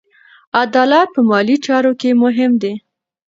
عدالت په مالي چارو کې مهم دی.